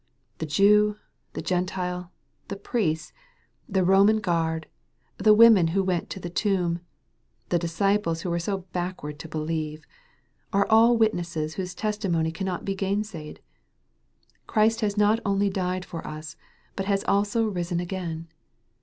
The Jew, the Gentile, the priests, the Roman guard, the women who went to the tomb, the disciples who were so backward to believe, are all witnesses whose testimony cannot be gainsaid. Christ has not only died for us, but has also risen again.